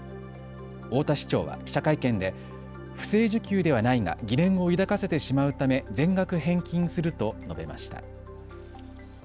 太田市長は記者会見で不正受給ではないが疑念を抱かせてしまうため全額返金すると述べました。